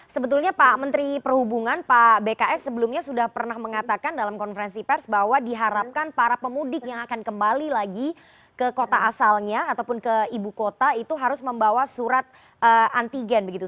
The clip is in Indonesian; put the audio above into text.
sebetulnya pak menteri perhubungan pak bks sebelumnya sudah pernah mengatakan dalam konferensi pers bahwa diharapkan para pemudik yang akan kembali lagi ke kota asalnya ataupun ke ibu kota itu harus membawa surat antigen begitu